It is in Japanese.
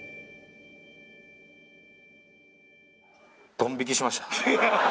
ドン引きしました。